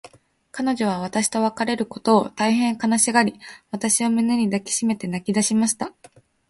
彼女は私と別れることを、大へん悲しがり、私を胸に抱きしめて泣きだしました。